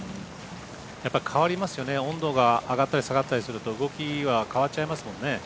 変わりますよね、温度が上がったり下がったりすると動きは変わっちゃいますもんね。